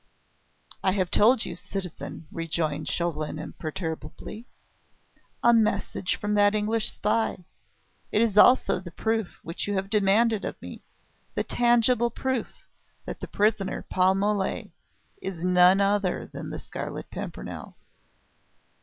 "I have told you, citizen," rejoined Chauvelin imperturbably. "A message from that English spy. It is also the proof which you have demanded of me the tangible proof that the prisoner, Paul Mole, is none other than the Scarlet Pimpernel."